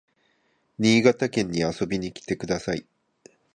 新潟県に遊びに来てください